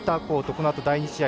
このあと第２試合